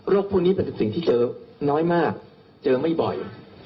พวกนี้เป็นสิ่งที่เจอน้อยมากเจอไม่บ่อย